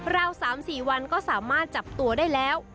ราว๓๔วันก็สามารถจับตัวได้แล้ว